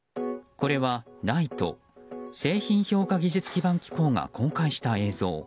これはＮＩＴＥ・製品評価技術基盤機構が公開した映像。